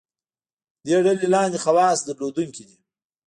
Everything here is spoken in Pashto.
دې ډلې لاندې خواص درلودونکي دي.